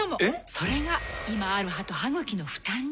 それが今ある歯と歯ぐきの負担に。